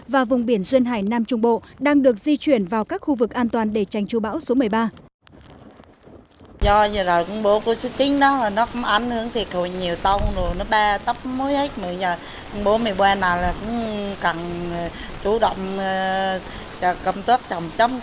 và vùng biển duyên hải nam trung bộ đang được di chuyển vào các khu vực an toàn để tranh chú bão số một mươi ba